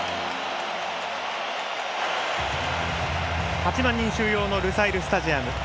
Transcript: ８万人収容のルサイルスタジアム。